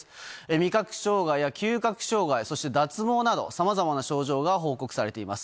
味覚障害や嗅覚障害、そして脱毛など、さまざまな症状が報告されています。